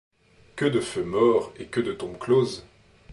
Que de feux morts, et que de tombes closes !